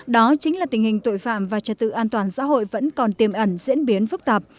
đó chính là tình hình tội phạm và trật tự an toàn xã hội vẫn còn tiêm ẩn diễn biến phức tạp